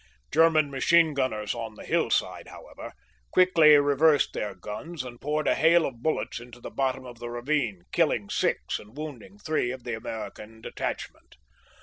German machine gunners on the hillside, however, quickly reversed their guns and poured a hail of bullets into the bottom of the ravine, killing six and wounding three of the American detachment.